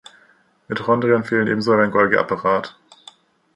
Mitochondrien fehlen ebenso wie ein Golgi-Apparat.